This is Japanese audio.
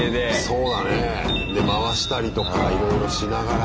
そうだね。で回したりとかいろいろしながら。